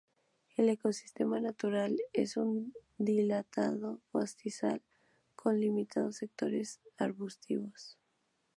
El ecosistema natural es un dilatado pastizal, con limitados sectores arbustivos.